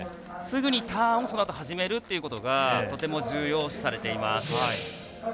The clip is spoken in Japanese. すぐにターンをそのあと始めるということがとても重要視されています。